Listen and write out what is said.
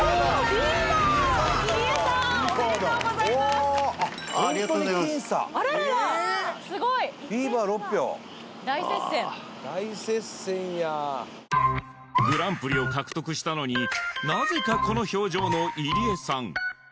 ビーバー６票大接戦やグランプリを獲得したのになぜかこの表情の入江さん